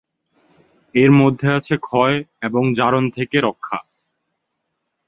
এর মধ্যে আছে ক্ষয় এবং জারণ থেকে রক্ষা।